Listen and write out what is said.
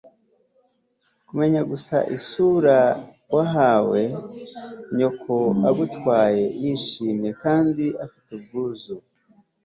kumenya gusa isura wahaye nyoko agutwaye, yishimye kandi ufite ubwuzu